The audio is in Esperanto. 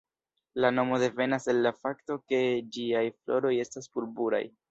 La nomo devenas el la fakto ke ĝiaj floroj estas purpuraj.